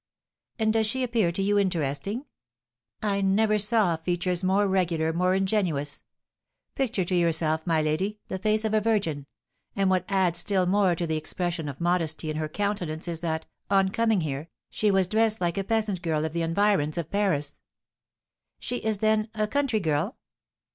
"And does she appear to you interesting?" "I never saw features more regular, more ingenuous. Picture to yourself, my lady, the face of a Virgin; and what adds still more to the expression of modesty in her countenance is that, on coming here, she was dressed like a peasant girl of the environs of Paris." "She is, then, a country girl?"